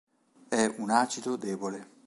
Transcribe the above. È un acido debole.